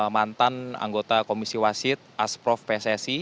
mantan anggota komisi wasit asprof pssi